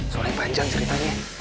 soalnya panjang ceritanya